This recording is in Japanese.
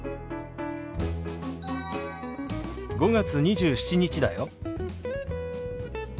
５月２７日だよ。